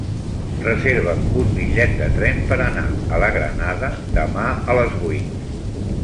Reserva'm un bitllet de tren per anar a la Granada demà a les vuit.